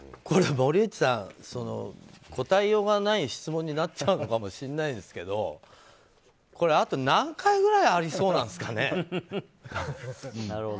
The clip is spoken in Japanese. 森内さん、答えようがない質問になっちゃうのかもしれないですけどこれ、あと何回ぐらいありそうなんですかね。